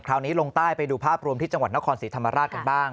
ลงใต้ไปดูภาพรวมที่จังหวัดนครศรีธรรมราชกันบ้าง